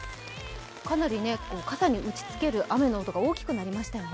かなり傘に打ちつける雨の音が大きくなりましたね。